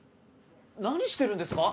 何してるんですか？